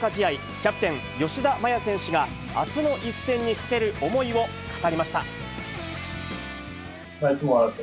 キャプテン、吉田麻也選手が、あすの一戦にかける思いを語りました。